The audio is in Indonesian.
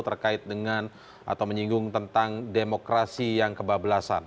terkait dengan atau menyinggung tentang demokrasi yang kebablasan